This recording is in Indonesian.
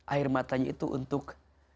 air matanya itu untuk